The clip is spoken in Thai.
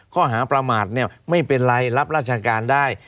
ข้อหาประมาทไม่เป็นไรรับราชการได้